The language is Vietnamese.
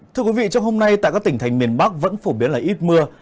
thưa quý vị trong hôm nay tại các tỉnh thành miền bắc vẫn phổ biến là ít mưa